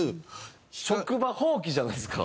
職場放棄じゃないですか。